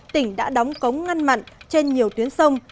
tỉnh đã đóng cống ngăn mặn trên nhiều tuyến sông